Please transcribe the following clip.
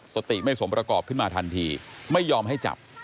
สติไม่สมประกอบขึ้นมาทันทีไม่ยอมให้จับ